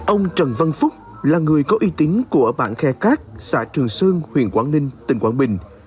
ông trần văn phúc là người có uy tín của bản khe cát xã trường sơn huyện quảng ninh tỉnh quảng bình